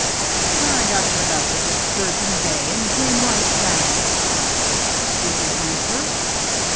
" I got your message at Sturgeon Bay, and came right down." " Did you answer